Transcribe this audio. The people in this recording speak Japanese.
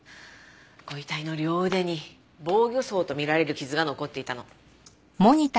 ご遺体の両腕に防御創と見られる傷が残っていたの。